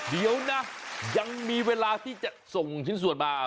เดี๋ยวนะยังมีเวลาที่จะส่งชิ้นส่วนมา